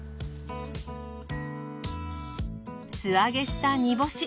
素揚げした煮干し。